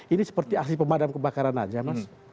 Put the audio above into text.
ini seperti aksi pemadam kebakaran saja mas